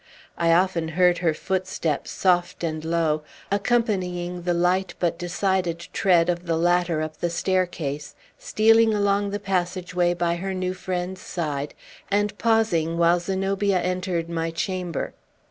I often heard her footsteps, soft and low, accompanying the light but decided tread of the latter up the staircase, stealing along the passage way by her new friend's side, and pausing while Zenobia entered my chamber.